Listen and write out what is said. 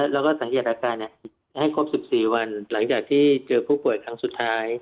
แล้วก็สังเกตอาการให้ครบ๑๔วันหลังจากที่เจอผู้ป่วยครั้งสุดท้าย